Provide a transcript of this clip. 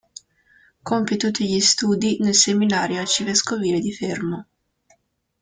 Compie tutti gli studi nel seminario arcivescovile di Fermo.